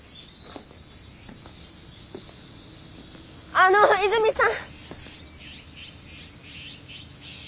あの泉さん！